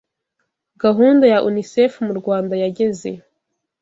Gahunda ya UNICEFU mu Rwanda yageze